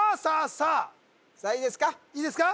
さあいいですか？